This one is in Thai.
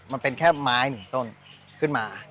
มันเป็นแค่ไม้หนึ่งต้นขึ้นมา